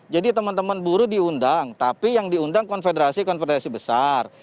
jadi teman teman buruh diundang tapi yang diundang konfederasi konfederasi besar